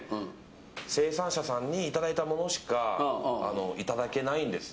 生産者さんにいただいたものしかいただけないんですよ。